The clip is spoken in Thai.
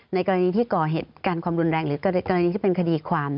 ในกรณีที่ก่อเหตุการณ์ความรุนแรงหรือกรณีที่เป็นคดีความ